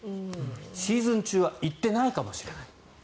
シーズン中は行ってないかもしれない。